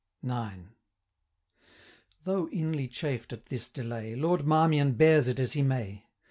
IX. Though inly chafed at this delay, Lord Marmion bears it as he may.